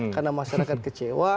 karena masyarakat kecewa